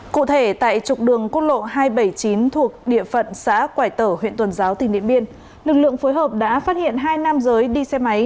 cụ thể tại trục đường quốc lộ hai trăm bảy mươi chín thuộc địa phận xã quảng tở huyện tuần giáo tỉnh điện biên lực lượng phối hợp đã phát hiện hai nam giới đi xe máy